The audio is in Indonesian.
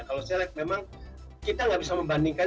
kalau saya lihat memang kita nggak bisa membandingkan